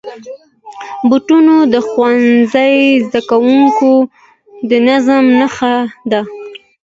بوټونه د ښوونځي زدهکوونکو د نظم نښه ده.